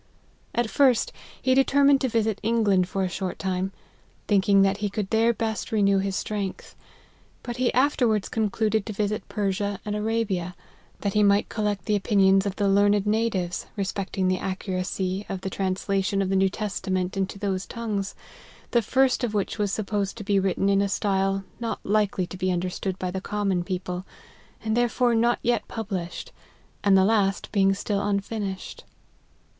At first, he determined to visit England for a short time, thinking that he could there best renew his strength ; but he afterwards concluded to visit Per sia and Arabia, that he might collect the opinions of the learned natives, respecting the accuracy of the translation of the New Testament into those tongues, the first of which w r as supposed to be written in a style not likely to be understood by the common people, and therefore not yet publish ed, and the last being still unfinished.